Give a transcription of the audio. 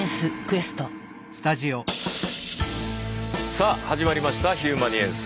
さあ始まりました「ヒューマニエンス」。